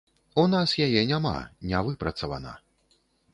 У нас яе няма, не выпрацавана.